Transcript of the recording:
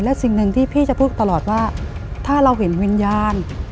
และสิ่งหนึ่งที่พี่จะพูดตลอดว่าถ้าเราเห็นวิญญาณ